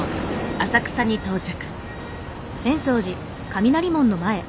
浅草に到着。